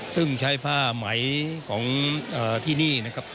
ซึ่งใช้ผ้าไหมของที่นี่นะครับ